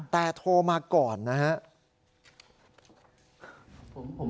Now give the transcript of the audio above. แต่โทรมาก่อนนะครับ